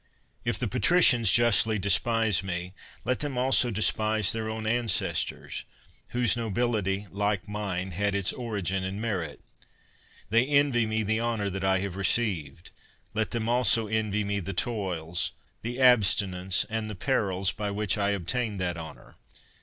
If the patricians justly de spise me, let them also despise their own ances tors, whose nobility, like mine, had its origin in merit. They envy me the honor that I have re ceived; let them also envy me the toils, the ab stinence, and the perils, by which I obtained that honor.